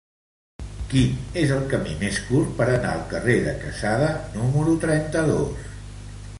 Quin és el camí més curt per anar al carrer de Quesada número trenta-dos?